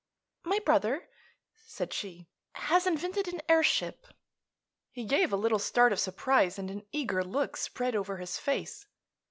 "My brother," said she, "has invented an airship." He gave a little start of surprise and an eager look spread over his face.